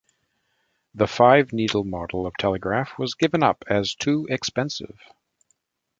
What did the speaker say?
A five needle model of telegraph was given up as too expensive.